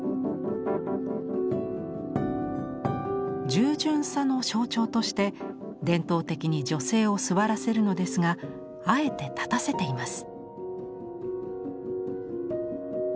従順さの象徴として伝統的に女性を座らせるのですがあえて立たせています。